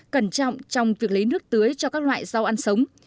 cẩn trọng trong việc lấy nước tưới cho các loại rau ăn sống